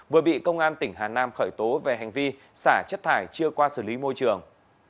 vừa bị công an tỉnh hà nam khởi tố về hành vi xả chất thải chưa qua xử lý môi trường